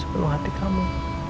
penuh hati kamu